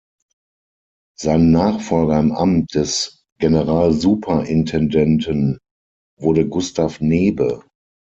Sein Nachfolger im Amt des Generalsuperintendenten wurde Gustav Nebe.